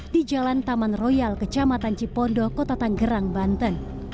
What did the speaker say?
di jalan taman royal kecamatan cipondo kota tanggerang banten